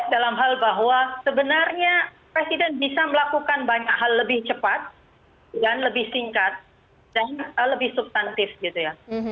dalam hal bahwa sebenarnya presiden bisa melakukan banyak hal lebih cepat dan lebih singkat dan lebih substantif gitu ya